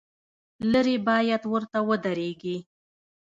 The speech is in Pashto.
لرې باید ورته ودرېږې.